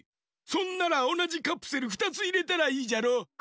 そんならおなじカプセル２ついれたらいいじゃろ！